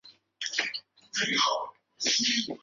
克弗灵是德国巴伐利亚州的一个市镇。